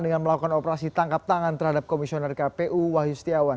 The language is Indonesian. dengan melakukan operasi tangkap tangan terhadap komisioner kpu wahyu setiawan